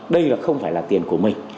đây là không phải là tiền của mình